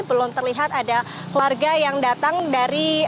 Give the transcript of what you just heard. belum terlihat ada keluarga yang datang dari